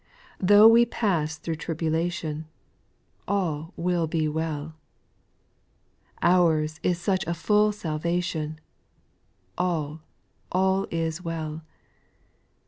2. Though we pass through tribulation, All will be well ; Our's is such a full salvation, All, all is well.